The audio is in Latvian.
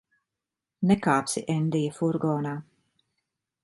Nekāpsi Endija furgonā.